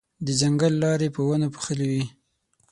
د ځنګل لارې په ونو پوښلې وې.